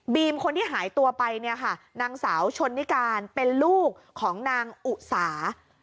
คนที่หายตัวไปเนี่ยค่ะนางสาวชนนิการเป็นลูกของนางอุสา